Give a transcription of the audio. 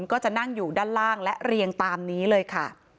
ก็จะนั่งอยู่ด้านล่างและเรียงตามนี้เลยค่ะ